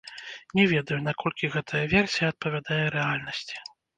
Не ведаю, наколькі гэтая версія адпавядае рэальнасці.